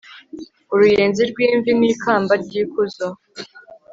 uruyenzi rw'imvi ni ikamba ry'ikuzo